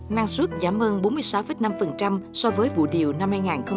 năng suất giảm ơn bốn mươi sáu năm so với vụ điều năm hai nghìn một mươi sáu